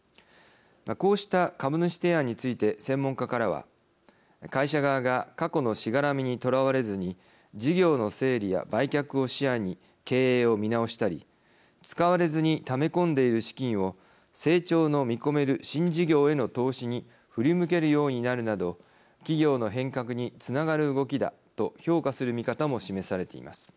こうした株主提案について専門家からは会社側が過去のしがらみにとらわれずに事業の整理や売却を視野に経営を見直したり使われずにため込んでいる資金を成長の見込める新事業への投資に振り向けるようになるなど企業の変革につながる動きだと評価する見方も示されています。